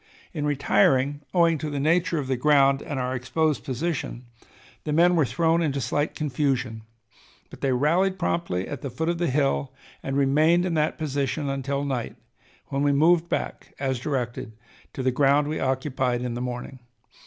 In retiring, owing to the nature of the ground and our exposed position, the men were thrown into slight confusion, but they rallied promptly at the foot of the hill, and remained in that position until night, when we moved back, as directed, to the ground we occupied in the morning.